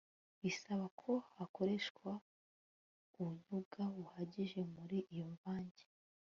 bisaba ko hakoreshwa ubunyobwa buhagije muri iyo mvange